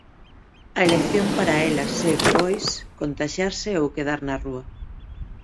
A elección para elas é, pois, contaxiarse ou quedar na rúa.